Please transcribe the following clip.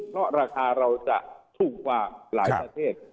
เพราะราคาเราจะถูกกว่าหลายประเทศ